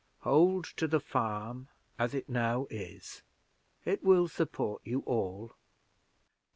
Hold to the farm as it now is: it will support you all.